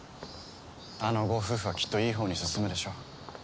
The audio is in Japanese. あのご夫婦はきっといいほうに進むでしょう。